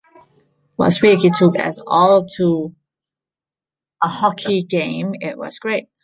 Last week, he took us all to a hockey game. It was great.